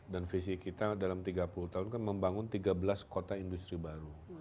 dan visi kita dalam tiga puluh tahun kan membangun tiga belas kota industri baru